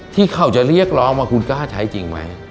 ที่เขาจะเรียกร้องว่าคุณกล้าใช้จริงไหม